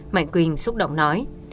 mạnh quỳnh xúc động nói